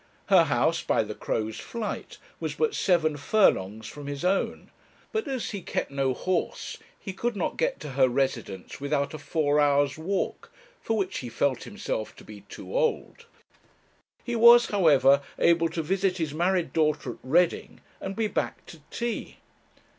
Her house, by the crow's flight, was but seven furlongs from his own; but, as he kept no horse, he could not get to her residence without a four hours' walk, for which he felt himself to be too old. He was, however, able to visit his married daughter at Reading, and be back to tea.